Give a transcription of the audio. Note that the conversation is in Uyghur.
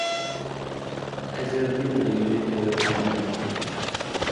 ئەزەلدىنلا يۈزى تۆۋەن ئادەم ئىدى.